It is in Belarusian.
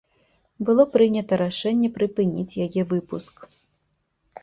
Было прынята рашэнне прыпыніць яе выпуск.